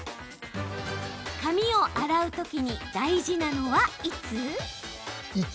髪を洗うときに大事なのは、いつ？